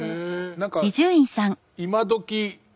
何か今どき